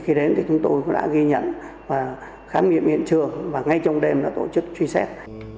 khi đến thì chúng tôi cũng đã ghi nhận và khám nghiệm hiện trường và ngay trong đêm đã tổ chức truy xét